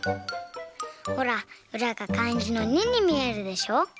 ほらうらがかんじの「二」にみえるでしょ。